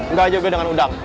nggak aja udah dengan udang